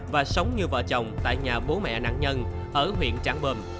và sống như vợ chồng tại nhà bố mẹ nạn nhân ở huyện tráng bơm